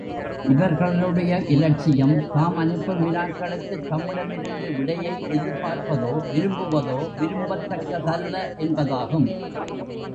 இவர்களுடைய இலட்சியம், தாம் அனுப்பும் வினாக்களுக்குத் தம்மிடமிருந்து விடையை எதிர்பார்ப்பதோ, விரும்புவதோ, விரும்பத்தக்கதல்ல என்பதாகும்.